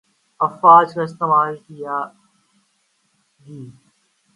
افواج کا استعمال کیا گی